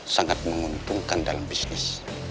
sangat menguntungkan dalam bisnis